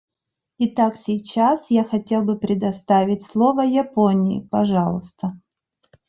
Итак, сейчас я хотел бы предоставить слово Японии, пожалуйста.